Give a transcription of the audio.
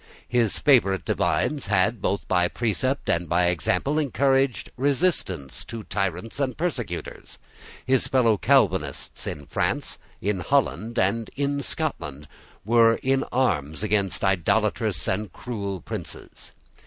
His favourite divines had, both by precept and by example, encouraged resistance to tyrants and persecutors. His fellow Calvinists in France, in Holland, and in Scotland, were in arms against idolatrous and cruel princes.